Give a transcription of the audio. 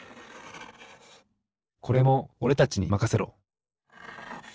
これもおれたちにまかせろ！